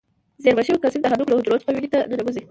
زیرمه شوي کلسیم د هډوکو له حجرو څخه وینې ته ننوزي.